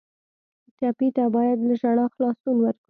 ټپي ته باید له ژړا خلاصون ورکړو.